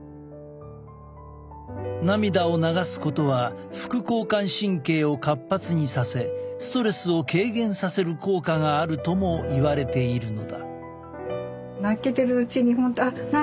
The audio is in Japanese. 涙を流すことは副交感神経を活発にさせストレスを軽減させる効果があるともいわれているのだ。